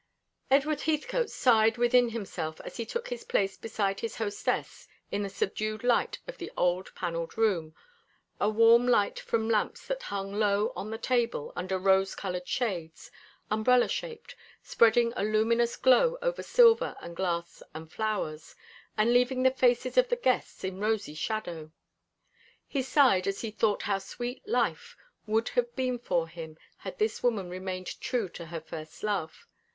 Edward Heathcote sighed within himself as he took his place beside his hostess in the subdued light of the old panelled room, a warm light from lamps that hung low on the table, under rose coloured shades, umbrella shaped, spreading a luminous glow over silver and glass and flowers, and leaving the faces of the guests in rosy shadow. He sighed as he thought how sweet life would have been for him had this woman remained true to her first love.